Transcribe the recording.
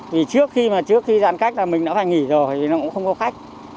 thì trước khi mà trước khi giãn cách là mình đã phải nghỉ rồi thì nó cũng không có khách